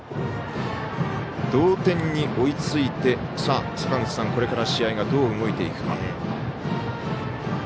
同点に追いついてこれから試合がどう動いていくか。